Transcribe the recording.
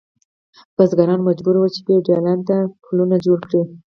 بزګران مجبور ول چې فیوډالانو ته پلونه جوړ کړي.